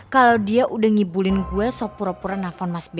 kalo dia udah ngibulin gue sopura pura nafon mas b